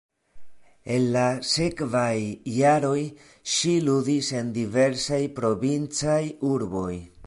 En la sekvaj jaroj ŝi ludis en diversaj provincaj urboj.